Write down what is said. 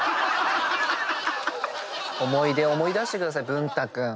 思い出を思い出してください。